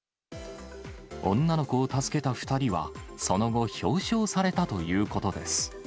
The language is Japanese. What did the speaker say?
女の子を助けた２人は、その後、表彰されたということです。